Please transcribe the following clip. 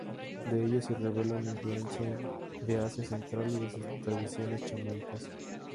De ellos se revela una influencia de Asia central y de sus tradiciones chamánicas.